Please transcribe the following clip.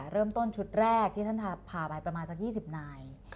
เริ่มต้นชุดแรกที่ท่านพาไปประมาณสัก๒๐นาย